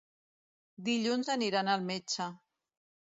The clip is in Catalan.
Dilluns aniran al metge.